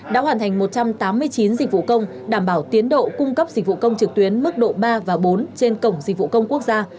đã hoàn thành một trăm tám mươi chín dịch vụ công đảm bảo tiến độ cung cấp dịch vụ công trực tuyến mức độ ba và bốn trên cổng dịch vụ công quốc gia